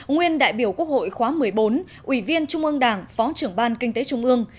nguyên đại biểu quốc hội khóa một mươi bốn ủy viên trung ương đảng phó trưởng ban kinh tế trung ương